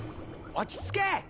落ち着け！